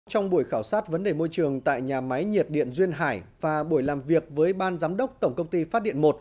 trong buổi khảo sát vấn đề môi trường tại nhà máy nhiệt điện duyên hải và buổi làm việc với ban giám đốc tổng công ty phát điện một